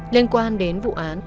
liên quan đến vụ án